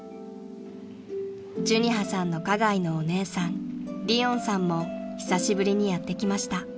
［寿仁葉さんの花街のお姉さん理音さんも久しぶりにやって来ました］